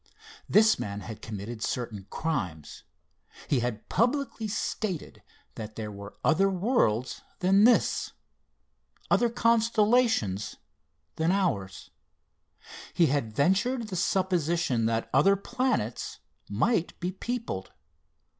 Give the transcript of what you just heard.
This man had committed certain crimes he had publicly stated that there were other worlds than this other constellations than ours. He had ventured the supposition that other planets might be peopled.